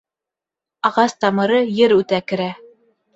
Ағас тамыры ер үтә керә